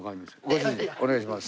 ご主人お願いします。